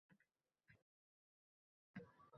Keyin uyga qarab yugurdim